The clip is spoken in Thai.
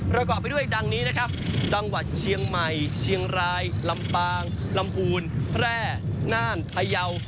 ประกอบไปด้วยดังนี้นะครับจังหวัดเชียงใหม่เชียงรายลำปางลำพูนแพร่น่านพยาว